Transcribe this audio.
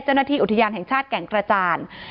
เจ้าหน้าที่อุทยานแห่งชาติแก่งกระจาน